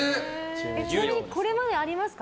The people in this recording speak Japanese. ちなみにこれまでありますか。